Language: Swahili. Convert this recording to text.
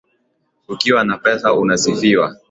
Ukiwa na pesa unasifiwa